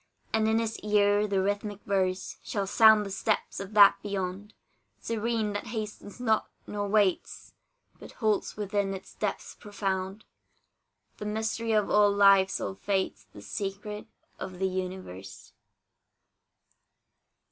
And in his ear the rhythmic verse Shall sound the steps of that beyond, Serene, that hastens not, nor waits, But holds within its depths profound The mystery of all lives all fates The secret of the universe.